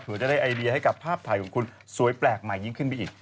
เพื่อจะได้ไอเดียให้กับภาพถ่ายของคุณสวยแปลกใหม่ยิ่งขึ้นไปอีก